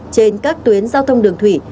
trên các tuyến giao thông đường thủy